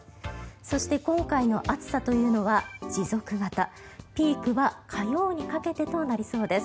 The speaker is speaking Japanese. そして今回の暑さというのは持続型ピークは火曜にかけてとなりそうです。